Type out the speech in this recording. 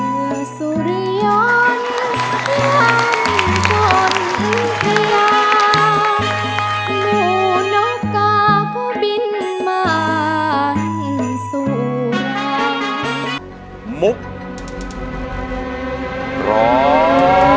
มือสุริยนต์หวังสนทะเลาะมูลกากบินมานสุรามุกรอบ